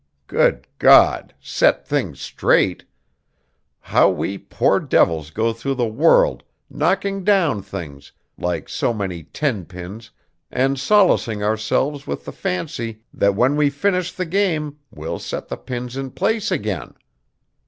Good God! set things straight! How we poor devils go through the world knocking down things like so many ten pins and solacing ourselves with the fancy that when we finish the game we'll set the pins in place again!